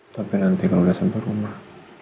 tapi nanti kalau udah sampai rumah